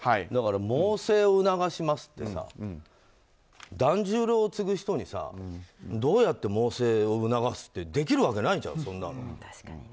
だから猛省を促しますって團十郎を継ぐ人にどうやって猛省を促すってできるわけないじゃん、そんなの。